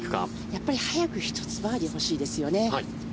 やっぱり早く１つバーディー欲しいですよね。